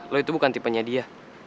lo itu bukan tipenya dia